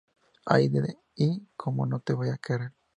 Hyde"" y ""¿Cómo no te voy a querer?".